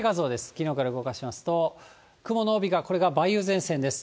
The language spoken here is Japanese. きのうから動かしますと、雲の帯、これが梅雨前線です。